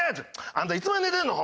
あんたいつまで寝てんの！